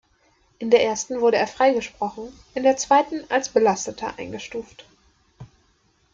In der ersten wurde er freigesprochen, in der zweiten als „Belasteter“ eingestuft.